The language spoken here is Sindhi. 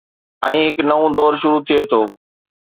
۽ هڪ نئون دور شروع ٿئي ٿو.